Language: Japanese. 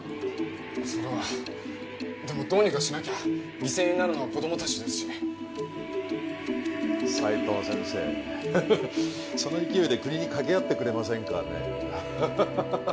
それはでもどうにかしなきゃ犠牲になるのは子供たちですし斉藤先生その勢いで国にかけあってくれませんかね？